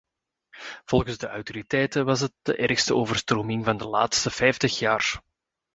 Volgens de autoriteiten was het de ergste overstroming van de laatste vijftig jaar.